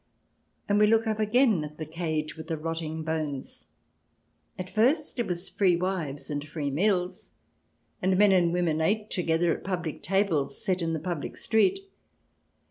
... And we look up again at the cage with the rotting bones. ... At first it was free wives and free meals, and men and women ate together at public tables set in the public street.